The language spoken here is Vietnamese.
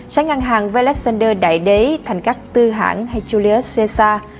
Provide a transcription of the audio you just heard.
sáng ngăn hàng với alexander đại đế thành các tư hãng hay julius caesar